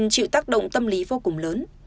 chịu tác động tâm lý vô cùng lớn